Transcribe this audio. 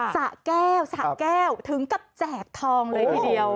สระแก้วถึงกับแจกทองเลยทีเดียว